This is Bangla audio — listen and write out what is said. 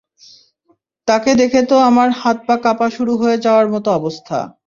তাঁকে দেখে তো আমার হাত-পা কাঁপা শুরু হয়ে যাওয়ার মতো অবস্থা।